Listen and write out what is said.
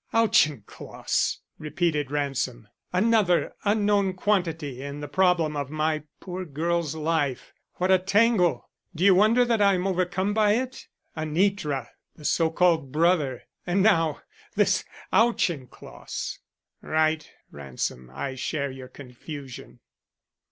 "Auchincloss!" repeated Ransom. "Another unknown quantity in the problem of my poor girl's life. What a tangle! Do you wonder that I am overcome by it? Anitra the so called brother and now this Auchincloss!" "Right, Ransom, I share your confusion."